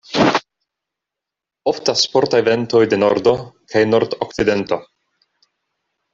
Oftas fortaj ventoj de nordo kaj nord-okcidento.